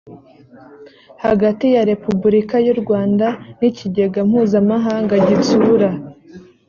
hagati ya repubulika y u rwanda n ikigega mpuzamahanga gitsura